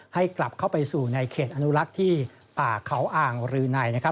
ให้กลับเข้าไปสู่ในเขตอนุรักษ์ที่ป่าเขาอ่างรือในนะครับ